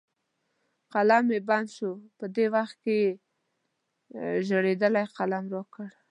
قلم مې بند شو، دې وخت کې یې زړېدلی قلم را کړ.